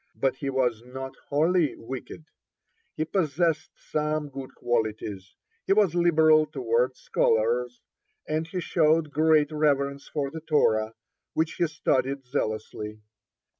But he was not wholly wicked, he possessed some good qualities. He was liberal toward scholars, and he showed great reverence for the Torah, which he studied zealously.